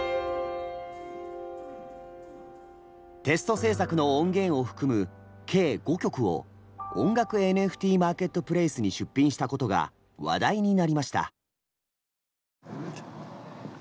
テスト制作の音源を含む計５曲を音楽ＮＦＴマーケットプレイスに出品したことが話題になりました。